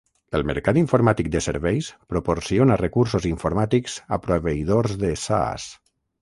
El mercat informàtic de serveis proporciona recursos informàtics a proveïdors de SaaS.